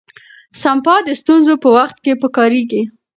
سپما د ستونزو په وخت کې پکارېږي.